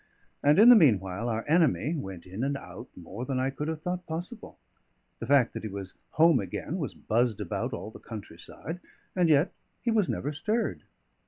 And in the meanwhile our enemy went in and out more than I could have thought possible, the fact that he was home again was buzzed about all the country side, and yet he was never stirred.